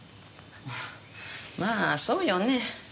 まあそうよねえ。